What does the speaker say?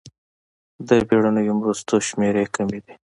د بېړنیو مرستو شمېرې کومې دي؟